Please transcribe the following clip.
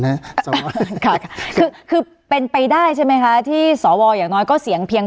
สวค่ะคือคือเป็นไปได้ใช่ไหมคะที่สวอย่างน้อยก็เสียงเพียง